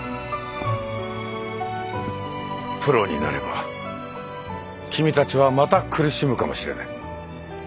プロになれば君たちはまた苦しむかもしれない。